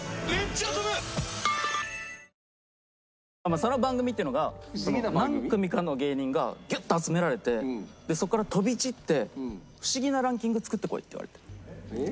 その番組っていうのが何組かの芸人がギュッと集められてそこから飛び散ってフシギなランキング作ってこいって言われて。